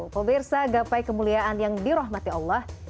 pemirsa gapai kemuliaan yang dirahmati allah